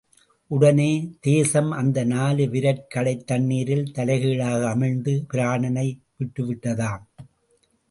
உடனே, தேசம் அந்த நாலு விரற்கடைத் தண்ணீரில் தலை கீழாக அமிழ்ந்து பிராணனை விட்டுவிட்டதாம்!